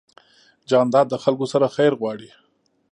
جانداد د خلکو سره خیر غواړي.